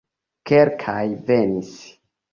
Kelkaj venis.